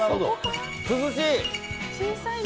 涼しい！